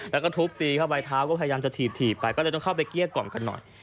แล้วก็ทุบตีเข้าไปเท้าก็พยายามจะถีบไปก็เลยต้องเข้าไปเกลี้ยกล่อมกันหน่อย